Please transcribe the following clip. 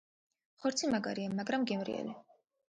ხორცი მაგარია, მაგრამ გემრიელი.